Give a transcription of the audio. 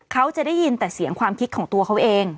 เขาจะได้ยินแต่เสียงความคิดของตัวเขาเอง